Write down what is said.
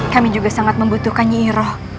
kami juga sangat membutuhkan yiroh